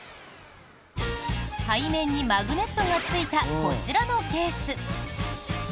背面にマグネットがついたこちらのケース。